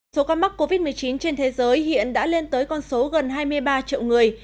số ca mắc covid một mươi chín trên thế giới hiện đã lên tới con số gần hai mươi ba triệu người